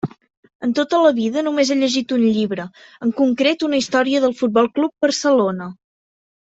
En tota la vida només he llegit un llibre, en concret una història del Futbol Club Barcelona.